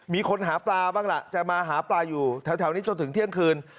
มีคนหาปลาบ้างล่ะจะมาหาปลาอยู่แถวนี้จนถึงเที่ยงคืน